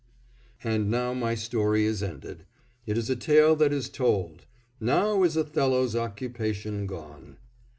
And now my story is ended; it is a tale that is told. "Now is Othello's occupation gone."